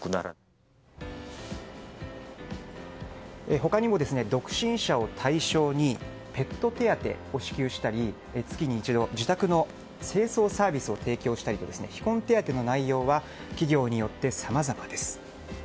他にも独身者を対象にペット手当を支給したり月に一度、自宅の清掃サービスを提供したりと非婚手当の内容は企業によってさまざまです。